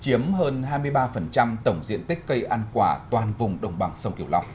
chiếm hơn hai mươi ba tổng diện tích cây ăn quả toàn vùng đồng bằng sông kiều lọc